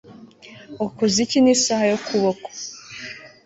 Wakoze iki nisaha yo kuboko